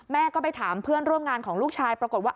แม่ก็ไปถามเพื่อนร่วมงานของลูกชายปรากฏว่า